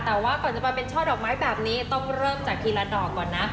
แต่ว่าก่อนจะมาเป็นช่อดอกไม้แบบนี้ต้องเริ่มจากทีละดอกก่อนนะ